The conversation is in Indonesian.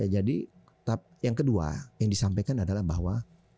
jadi yang kedua yang disampaikan adalah bahwa